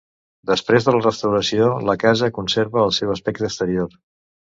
Després de la restauració, la casa conserva el seu aspecte exterior.